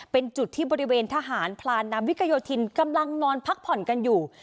เป็นจุดที่บริเวณทหารพลานนามวิกโยธินกำลังนอนพักผ่อนกันอยู่